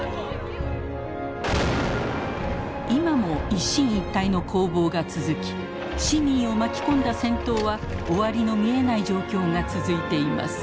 今も一進一退の攻防が続き市民を巻き込んだ戦闘は終わりの見えない状況が続いています。